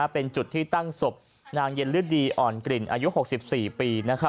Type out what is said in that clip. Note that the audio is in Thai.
เป็นจุดที่ตั้งศพนางเย็นฤดีอ่อนกลิ่นอายุ๖๔ปี